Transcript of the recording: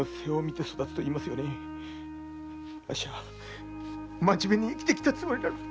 あっしはマジメに生きてきたつもりなのに。